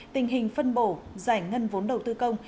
tình hình phân bổ giải ngân vốn đầu tư công